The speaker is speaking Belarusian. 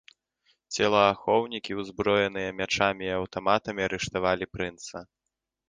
Целаахоўнікі, узброеныя мячамі і аўтаматамі, арыштавалі прынца.